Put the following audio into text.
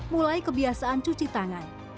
mulai kebiasaan cuci tangan